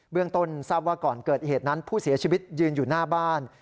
เรื่องต้นทราบว่าก่อนเกิดเหตุนั้นผู้เสียชีวิตยืนอยู่หน้าบ้าน